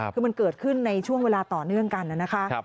คือมันเกิดขึ้นในช่วงเวลาต่อเนื่องกันนะคะ